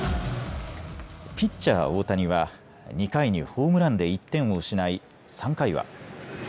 ピッチャー、大谷は２回にホームランで１点を失い３回は。